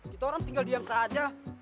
gitu orang tinggal diam saja